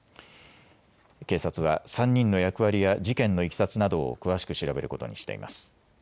警察は３人の役割や事件のいきさつなどを詳しく調べることにしています。